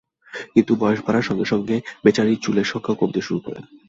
কিন্তু বয়স বাড়ার সঙ্গে সঙ্গে বেচারির চুলের সংখ্যাও কমতে শুরু করে।